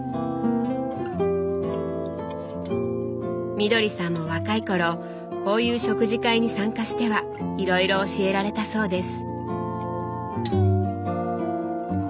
みどりさんも若い頃こういう食事会に参加してはいろいろ教えられたそうです。